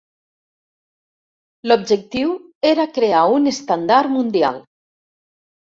L'objectiu era crear un estàndard mundial.